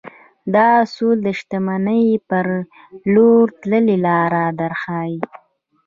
دا اصول د شتمنۍ پر لور تللې لاره درښيي.